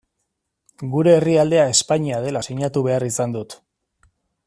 Gure herrialdea Espainia dela sinatu behar izan dut.